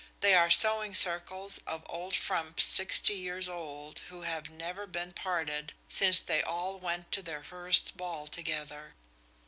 There are sewing circles of old frumps sixty years old who have never been parted since they all went to their first ball together.